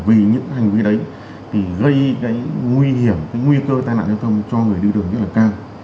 vì những hành vi đấy thì gây cái nguy hiểm cái nguy cơ tai nạn giao thông cho người đi đường rất là cao